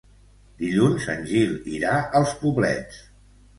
Dilluns en Gil irà als Poblets.